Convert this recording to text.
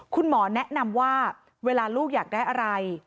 คุณหมอแนะนำว่าเวลาลูกอยากได้อะไร